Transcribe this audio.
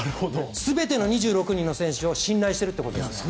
全ての２６人の選手を信頼しているということです。